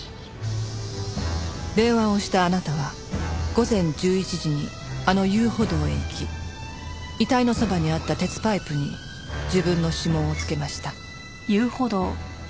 電話をしたあなたは午前１１時にあの遊歩道へ行き遺体のそばにあった鉄パイプに自分の指紋を付けました。